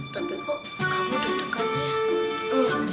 tapi kok kamu di dekatnya